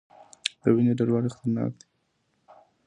د وینې ډیروالی خطرناک دی.